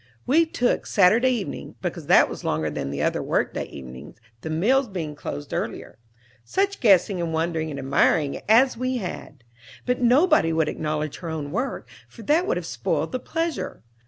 We took Saturday evening, because that was longer than the other workday evenings, the mills being closed earlier. Such guessing and wondering and admiring as we had! But nobody would acknowledge her own work, for that would have spoiled the pleasure.